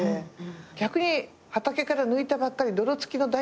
逆に畑から抜いたばっかり泥付きのダイコンですみたいな。